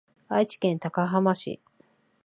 愛知県高浜市